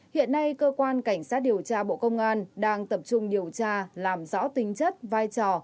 hiện nay cơ quan cảnh sát điều tra bộ công an đang tập trung điều tra làm rõ tính chất vai trò